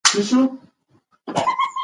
خلک په کندهار کي کرنه کوي.